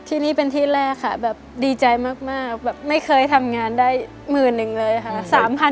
ที่นี่เป็นที่แรกค่ะแบบดีใจมากแบบไม่เคยทำงานได้หมื่นหนึ่งเลยค่ะ